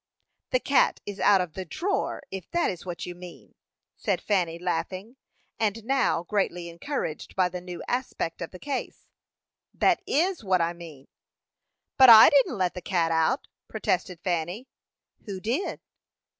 "The cat is out of the drawer, if that is what you mean," said Fanny, laughing, and now greatly encouraged by the new aspect of the case. "That is what I mean." "But I didn't let the cat out," protested Fanny. "Who did?"